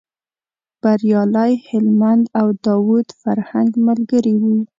بریالی هلمند او داود فرهنګ ملګري و.